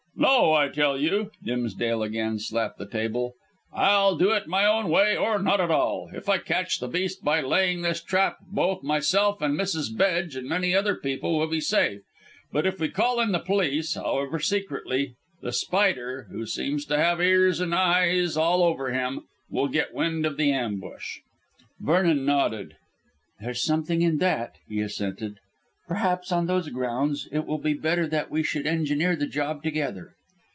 "No, I tell you." Dimsdale again slapped the table. "I'll do it my own way or not at all. If I catch the beast by laying this trap, both myself and Mrs. Bedge and many other people will be safe. But if we call in the police, however secretly, The Spider who seems to have ears and eyes all over him will get wind of the ambush." Vernon nodded. "There's something in that," he assented. "Perhaps on those grounds it will be better that we should engineer the job together.